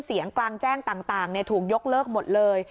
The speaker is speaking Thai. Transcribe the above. เสียงกลางแจ้งต่างถูกยกเลิกหมดเลย